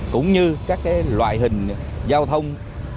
cũng như các loại hình giao thông